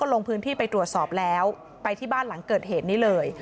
ลงพื้นที่ไปตรวจสอบแล้วไปที่บ้านหลังเกิดเหตุนี้เลย